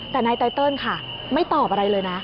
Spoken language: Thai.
แต่นายไตเติลค่ะไม่ตอบอะไรเลยนะ